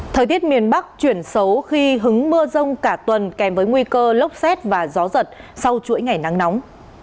thời tiết miền bắc chuyển xấu khi hứng mưa rông cả tuần kèm với nguy cơ lốc xét và gió giật sau chuỗi ngày nắng nóng